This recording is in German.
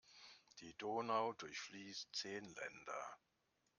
Die Donau durchfließt zehn Länder.